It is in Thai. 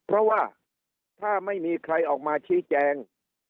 เพราะว่าถ้าไม่มีใครออกมาชี้แจง